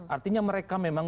artinya mereka memang